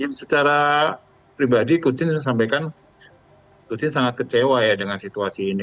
ya secara pribadi coach sinta sampaikan coach sinta sangat kecewa ya dengan situasi ini